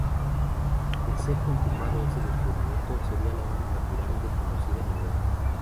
De ser confirmado este descubrimiento, sería la única pirámide conocida en Europa.